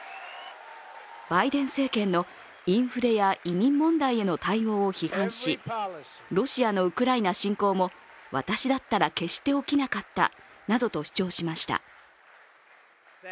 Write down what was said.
バイデン政権のインフレや移民問題への対応を批判しロシアのウクライナ侵攻も私だったら決して起きなかったなどと主張しました。